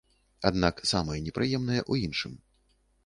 Аднак самае непрыемнае ў іншым.